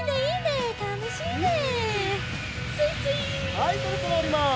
はいそろそろおります。